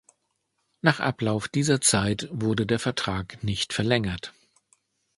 Nach Ablauf dieser Zeit wurde der Vertrag nicht verlängert.